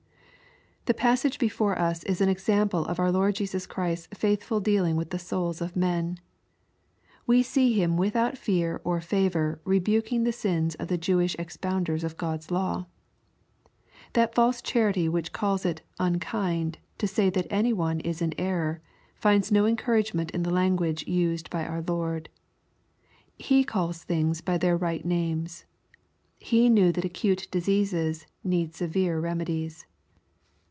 The passage before us is an example of our Lord Jesus Christ's faithful dealing with the souls of men. We see Him without fear or favor rebuking the sins of the Jewish expoundeis of God's law. That false charity which calls it " unkind" to say that any one is in error, finds no encouragement in the language used by oui Lord. He calls things by their right names. He knew that acute diseases need severe remedies.